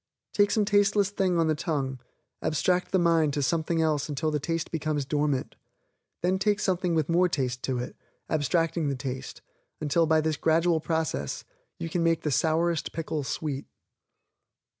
Take some tasteless thing on the tongue, abstract the mind to something else until the taste becomes dormant. Then take something with more taste to it, abstracting the taste, until by this gradual process you can make the sourest pickle sweet.